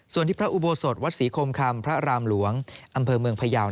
ส่วนที่พระอุโบสถวัดศรีคมคำพระรามหลวงอำเภอเมืองพยาว